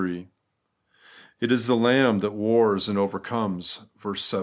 It is the Lamb that wars and overcomes (xvii.